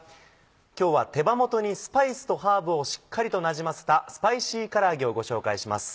今日は手羽元にスパイスとハーブをしっかりとなじませた「スパイシーから揚げ」をご紹介します。